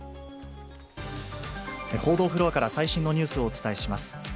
報道フロアから、最新のニュースをお伝えします。